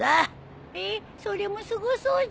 えっそれもすごそうじゃん。